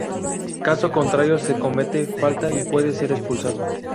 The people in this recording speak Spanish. Caso contrario se comete falta y puede ser expulsado.